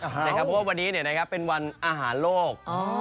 เพราะว่าวันนี้เป็นวันอาหารโลก